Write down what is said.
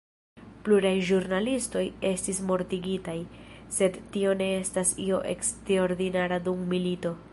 Pluraj ĵurnalistoj estis mortigitaj, sed tio ne estas io eksterordinara dum milito.